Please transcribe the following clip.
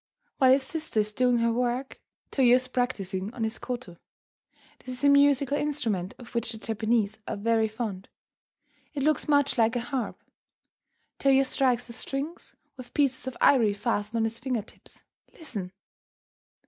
While his sister is doing her work, Toyo is practising on his koto. This is a musical instrument of which the Japanese are very fond. It looks much like a harp. Toyo strikes the strings with pieces of ivory fastened on his finger tips. Listen!